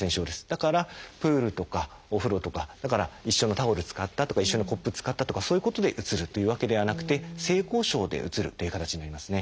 だからプールとかお風呂とか一緒のタオル使ったとか一緒のコップ使ったとかそういうことでうつるというわけではなくて性交渉でうつるっていう形になりますね。